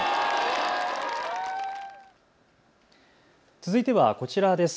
続いてはこちらです。